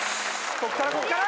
こっからこっから！